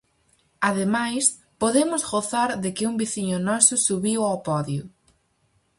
Ademais, podemos gozar de que un veciño noso subiu ao podio.